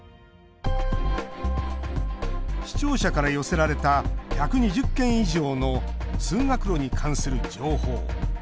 視聴者から寄せられた１２０件以上の通学路に関する情報。